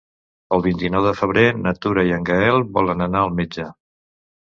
El vint-i-nou de febrer na Tura i en Gaël volen anar al metge.